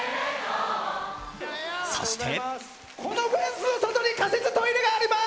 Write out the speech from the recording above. そして。